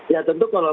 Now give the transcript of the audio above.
ya tentu kalau